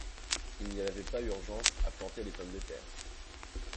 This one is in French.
Il n’y avait pas urgence à planter les pommes de terre.